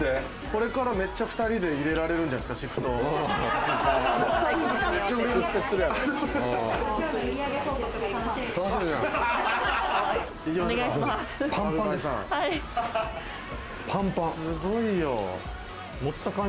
これからめっちゃ２人で入れられるんじゃないですか？